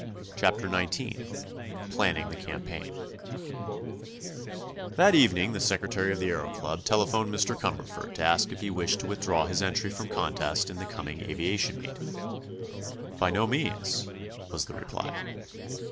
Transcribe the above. CHAPTER XIX PLANNING THE CAMPAIGN That evening the secretary of the Aëro Club telephoned Mr. Cumberford to ask if he wished to withdraw his entry from contest in the coming aviation meet. "By no means," was the reply.